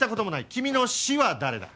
君の師は誰だ？